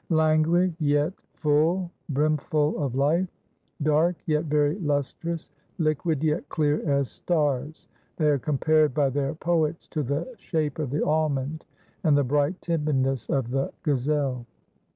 Languid, yet full, brimful of life; dark, yet very lustrous; liquid, yet clear as stars; they are compared by their poets to the shape of the almond and the bright timidness of the gazelle.